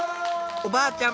おばあちゃん